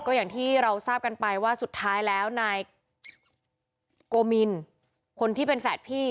ก็อย่างที่เราทราบกันไปว่าสุดท้ายแล้วนายโกมินคนที่เป็นแฝดพี่